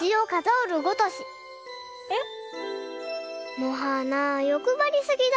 えっ？のはーなよくばりすぎだよ。